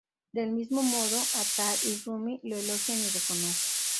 Del mismo modo, Attar y Rumi lo elogian y reconocen.